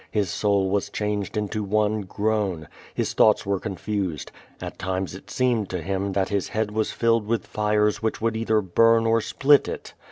His soul was changed into one groan. His thoughts were confused. At times it seemed to him that his head was filled with fires which would either burn or split it.